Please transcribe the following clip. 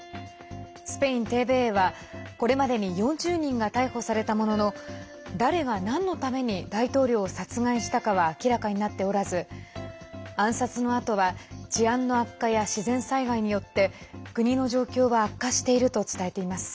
スペインＴＶＥはこれまでに４０人が逮捕されたものの誰がなんのために大統領を殺害したかは明らかになっておらず暗殺のあとは治安の悪化や自然災害によって国の状況は悪化していると伝えています。